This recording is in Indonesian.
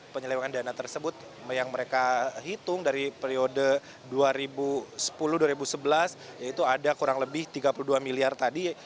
penyelewengan dana tersebut yang mereka hitung dari periode dua ribu sepuluh dua ribu sebelas yaitu ada kurang lebih tiga puluh dua miliar tadi